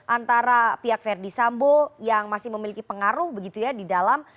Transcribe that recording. antara pihak verdi sambo yang masih memiliki pengaruh begitu ya di dalam